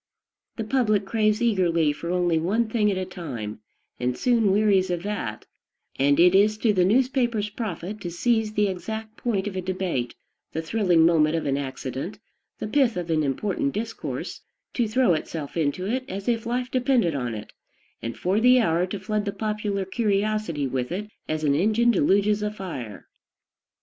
The public craves eagerly for only one thing at a time, and soon wearies of that; and it is to the newspaper's profit to seize the exact point of a debate, the thrilling moment of an accident, the pith of an important discourse; to throw itself into it as if life depended on it, and for the hour to flood the popular curiosity with it as an engine deluges a fire.